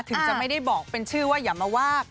ถึงจะไม่ได้บอกเป็นชื่อว่าอย่ามาว่า